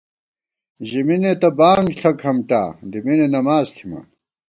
ژمېنےتہ بانگ ݪہ کھمٹا ، دِمېنے نماڅ تھِمان